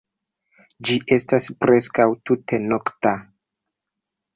Ĝi estas preskaŭ tute nokta.